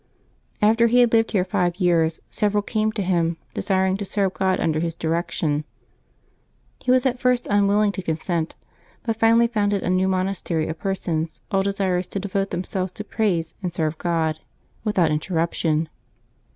After he had lived here five 3'ears, several came to him, desiring to serve God under his direction. He was at first unwilling to consent, but finally founded a new monastery of persons all desirous to devote themselves to praise and serve God \ Decembee 6] LIVES OF THE SAINTS 373 without interruption.